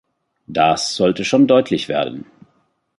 Das sollte schon deutlich werden.